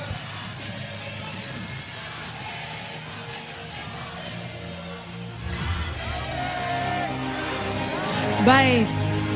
mereka juga telah menang selama satu tahun